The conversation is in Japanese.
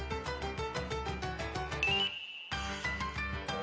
あ。